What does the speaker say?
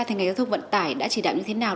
thì ngày giao thông vận tải đã chỉ đảm như thế nào